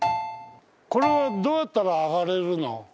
これはどうやったら上がれるの？